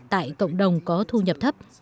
tại cộng đồng có thu nhập thấp